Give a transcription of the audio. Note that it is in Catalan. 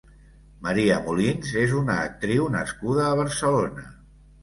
Maria Molins és una actriu nascuda a Barcelona.